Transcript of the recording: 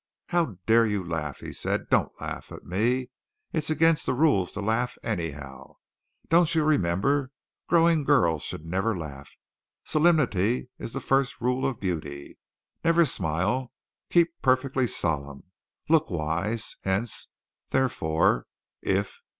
"How dare you laugh?" he said. "Don't laugh at me. It's against the rules to laugh, anyhow. Don't you remember growing girls should never laugh? Solemnity is the first rule of beauty. Never smile. Keep perfectly solemn. Look wise. Hence. Therefore. If.